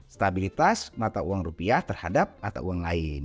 stabilitas mata uang rupiah terhadap mata uang lain